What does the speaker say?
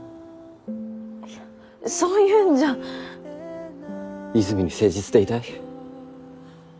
いやそういうんじゃ和泉に誠実でいたい？